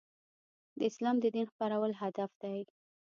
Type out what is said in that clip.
د اسلام د دین خپرول هدف دی.